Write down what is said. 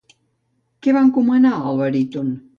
Què va encomanar al baríton?